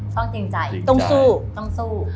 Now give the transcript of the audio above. ต้องสู้